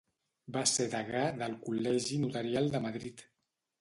Va ser degà del Col·legi Notarial de Madrid.